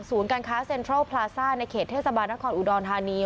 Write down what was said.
การค้าเซ็นทรัลพลาซ่าในเขตเทศบาลนครอุดรธานี